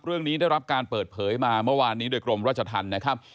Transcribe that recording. ได้รับการเปิดเผยมาเมื่อวานนี้โดยกรมราชธรรมนะครับ